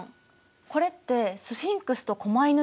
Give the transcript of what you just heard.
これってスフィンクスと狛犬ですよね？